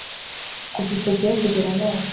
kuva icyo gihe kugera none